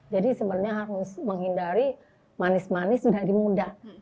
jadi sebenarnya harus menghindari manis manis dari muda